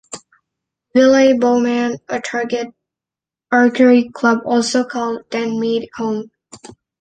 Ville Bowmen a target archery club also call Denmead home.